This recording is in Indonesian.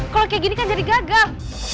kalau kayak gini kan jadi gagal